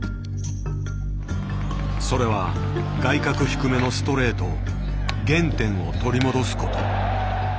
それは外角低めのストレート原点を取り戻すこと。